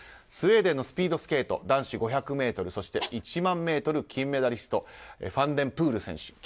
スウェーデンのスピードスケート男子５００ｍそして１００００ｍ金メダリストファンデルプール選手。